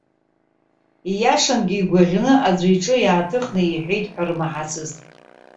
Ииашангьы, игәаӷьны аӡәы иҿы иааҭыхны иҳәеит ҳәа рмаҳацызт.